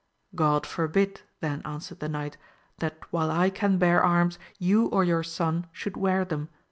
God forbid, then answered the knight, that while I can bear arms you or your son should wear them